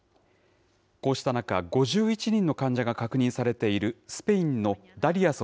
こうした中、５１人の患者が確認されているスペインのダリアス